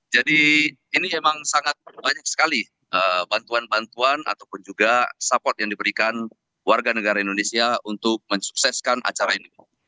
jadi ini memang sangat banyak sekali bantuan bantuan ataupun juga support yang diberikan warga negara indonesia untuk mensukseskan acara ini